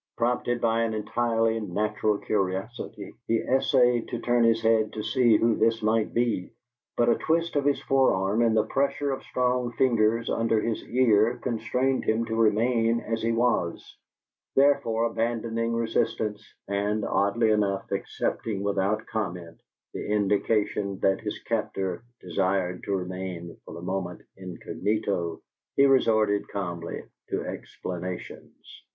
Prompted by an entirely natural curiosity, he essayed to turn his head to see who this might be, but a twist of his forearm and the pressure of strong fingers under his ear constrained him to remain as he was; therefore, abandoning resistance, and, oddly enough, accepting without comment the indication that his captor desired to remain for the moment incognito, he resorted calmly to explanations.